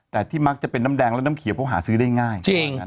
แต่ที่มักจะเป็นน้ำแดงและน้ำเขียวเขาหาซื้อได้ง่าย